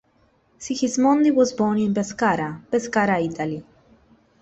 Sigismondi was born in Pescara, Pescara, Italy.